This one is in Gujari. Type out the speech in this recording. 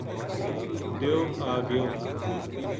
دیو آ گیو